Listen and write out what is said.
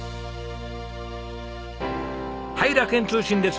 はい楽園通信です。